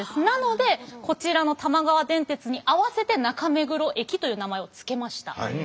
なのでこちらの玉川電鉄に合わせて中目黒駅という名前を付けました。